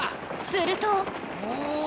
するとお！